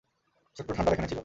ছোট্ট থান্ডার এখানে ছিল।